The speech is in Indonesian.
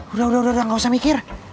udah udah udah nggak usah mikir